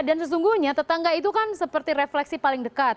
dan sesungguhnya tetangga itu kan seperti refleksi paling dasar